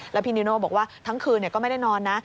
แล้วพี่นิโน่บอกว่าทั้งคืนก็ไม่ได้นอนนะ